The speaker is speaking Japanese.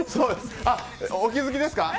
あ、お気づきですか？